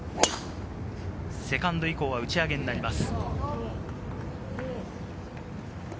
セカンド以降は打ち上げになります。